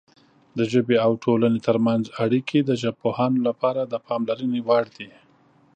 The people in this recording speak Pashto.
د ژبې او ټولنې ترمنځ اړیکې د ژبپوهانو لپاره د پاملرنې وړ دي.